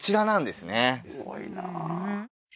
すごいなあ。